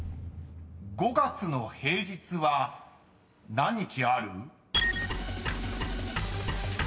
［５月の平日は何日ある？］